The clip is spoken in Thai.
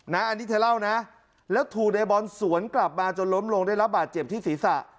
อันนี้เธอเล่านะแล้วถูกในบอลสวนกลับมาจนล้มลงได้รับบาดเจ็บที่ศีรษะ